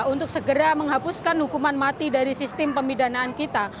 untuk segera menghapuskan hukuman mati dari sistem pemidanaan kita